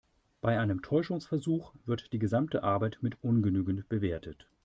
Bei einem Täuschungsversuch wird die gesamte Arbeit mit ungenügend bewertet.